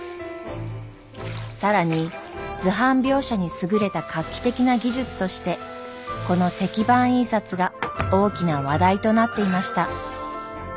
更に図版描写に優れた画期的な技術としてこの石版印刷が大きな話題となっていました。